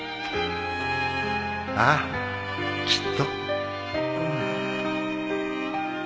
ああきっと